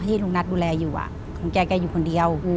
ลุงนัทดูแลอยู่ลุงแกอยู่คนเดียว